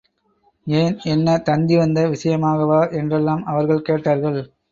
ஏன் என்ன, தந்தி வந்த விஷயமாகவா என்றெல்லாம் அவர்கள் கேட்டார்கள்.